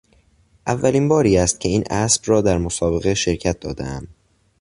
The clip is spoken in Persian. اولین باری است که این اسب را در مسابقه شرکت دادهام.